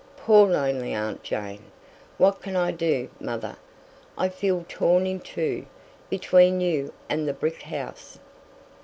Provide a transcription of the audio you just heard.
Poor lonely aunt Jane! What can I do, mother? I feel torn in two, between you and the brick house."